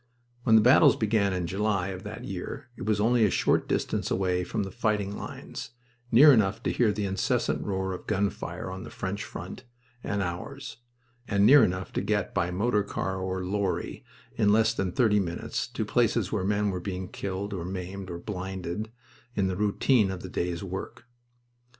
When the battles began in July of that year it was only a short distance away from the fighting lines; near enough to hear the incessant roar of gun fire on the French front and ours, and near enough to get, by motor car or lorry, in less than thirty minutes, to places where men were being killed or maimed or blinded in the routine of the day's work.